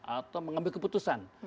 atau mengambil keputusan